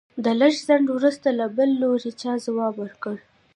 د لږ ځنډ وروسته له بل لوري چا ځواب ورکړ.